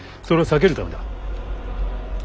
それを避けるためだ。